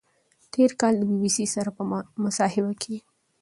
تېر کال د بی بی سي سره په مصاحبه کې